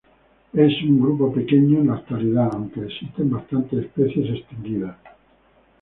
Es un grupo pequeño en la actualidad, aunque existen bastantes especies extinguidas.